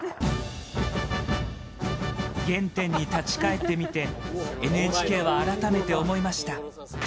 原点に立ち返ってみて、ＮＨＫは改めて思いました。